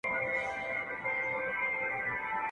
له سدیو انتظاره مېړنی پکښي پیدا کړي -